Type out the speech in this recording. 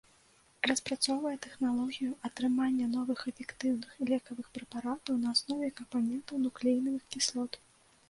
Распрацоўвае тэхналогію атрымання новых эфектыўных лекавых прэпаратаў на аснове кампанентаў нуклеінавых кіслот.